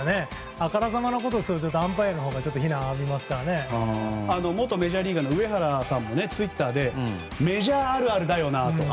あからさまなことをするとアンパイアのほうが非難を浴びますから元メジャーリーガーの上原さんも、ツイッターでメジャーあるあるだよなと。